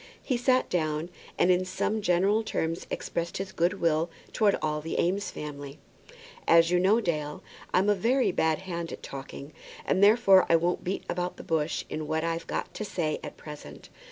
He sat down, and in some general terms expressed his good will towards all the Eames family. "As you know, Dale, I'm a very bad hand at talking, and therefore I won't beat about the bush in what I've got to say at present.